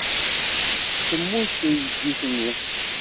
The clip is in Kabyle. Temmut teydit-nni.